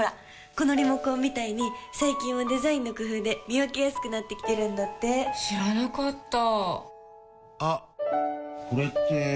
このリモコンみたいに最近はデザインの工夫で見分けやすくなってきてるんだって知らなかったあっ、これって・・・